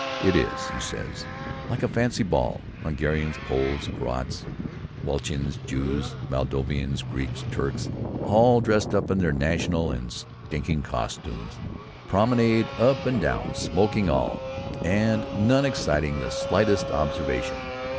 "It is," he says, "like a fancy ball. Hungarians, Poles, Croats, Wallachians, Jews, Moldavians, Greeks, Turks, all dressed in their national and stinking costumes, promenade up and down, smoking all, and none exciting the slightest observation.